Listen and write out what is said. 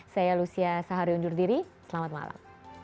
saya lucia sahari undur diri selamat malam